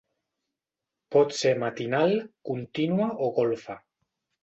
Pot ser matinal, contínua o golfa.